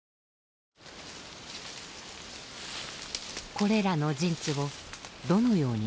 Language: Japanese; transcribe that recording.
これらの陣地をどのように使っていたのか。